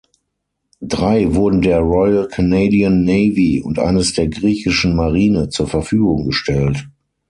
Drei wurden der Royal Canadian Navy und eines der griechischen Marine zur Verfügung gestellt.